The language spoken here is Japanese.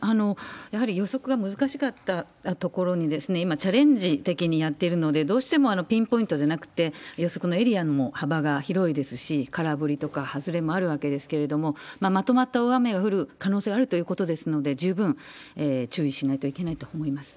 やはり予測が難しかった所に今、チャレンジ的にやっているので、どうしてもピンポイントじゃなくて、予測のエリアの幅が広いですし、空振りとか外れもあるわけですけれども、まとまった大雨が降る可能性があるということですので、十分注意しないといけないと思います。